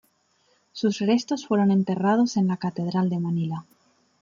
Sus restos fueron enterrados en la catedral de Manila.